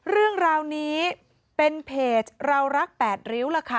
เรื่องราวนี้เป็นเพจเรารัก๘ริ้วล่ะค่ะ